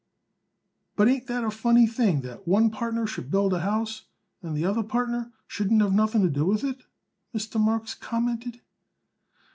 "But ain't that a funny thing that one partner should build a house and the other partner shouldn't have nothing to do with it?" Mr. Marks commented.